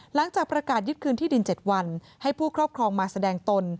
หลังจากประกาศยึดคืนที่ดิน๗วันให้ผู้ครอบครองมาแสดงตน